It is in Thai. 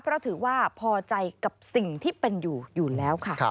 เพราะถือว่าพอใจกับสิ่งที่เป็นอยู่อยู่แล้วค่ะ